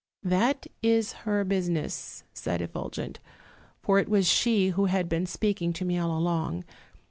" 'That is her business,' said Effulgent (for it was she who had been speaking to me all along).